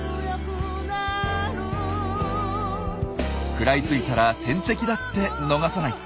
食らいついたら天敵だって逃さない。